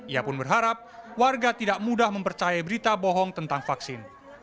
ia pun berharap warga tidak mudah mempercayai berita bohong tentang vaksin